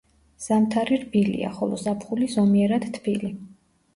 ზამთარი რბილია, ხოლო ზაფხული ზომიერად თბილი.